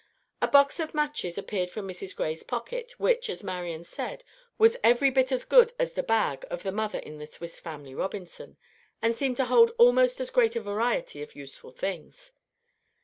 A box of matches appeared from Mrs. Gray's pocket, which; as Marian said, was every bit as good as the "Bag" of the Mother in the "Swiss Family Robinson," and seemed to hold almost as great a variety of useful things.